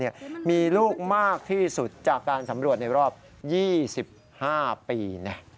ศรียุพราตอนนี้มีลูกมากที่สุดจากการสำรวจในรอบ๒๕ปี